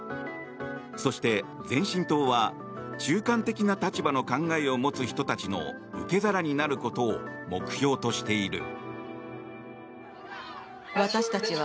そして前進党は、中間的な立場の考えを持つ人たちの受け皿になることを目標としている。